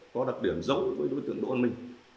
có đặc điểm giống với đối tượng đỗ văn minh